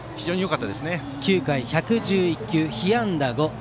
９回、１１１球被安打５。